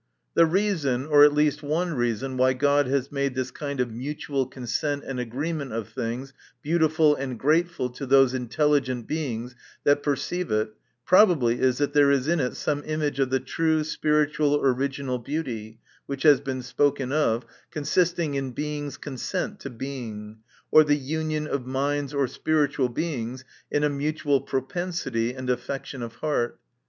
The reason, or at least one reason why God has made this kind of mutual consent and agreement of things beautiful and grateful to those intelligent Be ings that perceive it, probably is, that there is in it some image of the true, spiritual, original beauty which has been spoken of; consisting in Being's con sent to Being, or the union of minds or spiritual Beings in a mutual propensity and affection of heart.